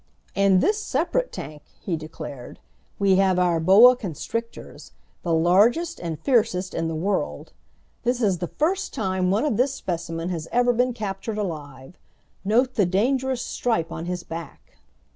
"In this separate tank," he declared, "we have our boa constrictors, the largest and fiercest in the world. This is the first time one of this specimen has ever been captured alive. Note the dangerous stripe on his back!"